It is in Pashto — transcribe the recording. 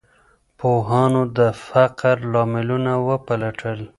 پوهانو د فقر لاملونه وپلټل.